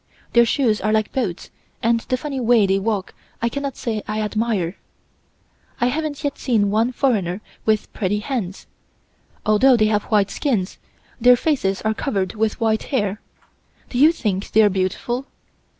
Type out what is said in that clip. Their shoes are like boats and the funny way they walk I cannot say I admire. I haven't yet seen one foreigner with pretty hands. Although they have white skins, their faces are covered with white hair. Do you think they are beautiful?"